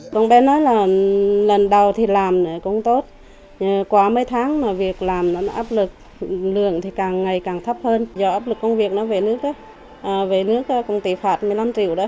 con bé nói là lần đầu thì làm cũng tốt qua mấy tháng mà việc làm nó áp lực lượng thì càng ngày càng thấp hơn do áp lực công việc nó về nước về nước công ty phạt một mươi năm triệu đó